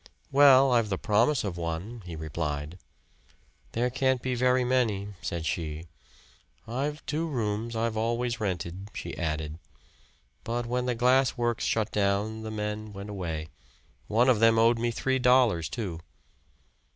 "Well, I've the promise of one," he replied. "There can't be very many," said she. "I've two rooms I've always rented," she added, "but when the glass works shut down the men went away. One of them owed me three dollars, too."